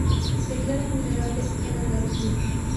Declarada vulnerable en Andalucía.